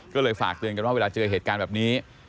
ก็เลยฝากเตือนกันว่าเวลาเจอเหตุการณ์แบบนี้